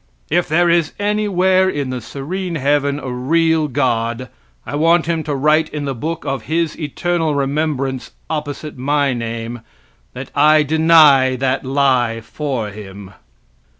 If there is anywhere in the serene heaven a real God. I want him to write in the book of His eternal remembrance, opposite my name, that I deny that lie for Him.